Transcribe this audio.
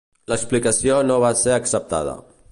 L'explicació no va ser acceptada.